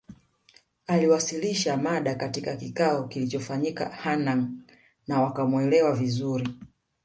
Aliwasilisha mada katika kikao kilichofanyika Hanangâ na wakamwelewa vizuri